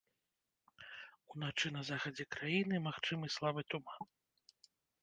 Уначы на захадзе краіны магчымы слабы туман.